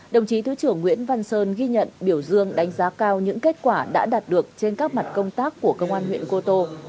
đồng chí thứ trưởng nguyễn văn sơn ghi nhận biểu dương đánh giá cao những kết quả đã đạt được trên các mặt công tác của công an huyện cô tô